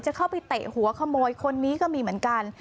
จะเข้าไปเตะหัวขโมยคนนี้ก็มีเหมือนกัน